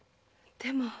でも。